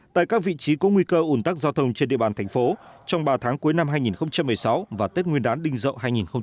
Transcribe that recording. tại các vị trí có nguy cơ ủn tắc giao thông trên địa bàn thành phố trong ba tháng cuối năm hai nghìn một mươi sáu và tết nguyên đán đinh dậu hai nghìn một mươi chín